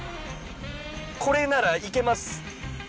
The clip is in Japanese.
これなら行けます。